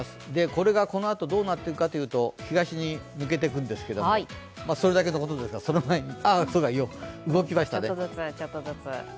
これがこのあとどうなっていくかというと東に抜けていくんですけどもそれだけのことですが動きましたね。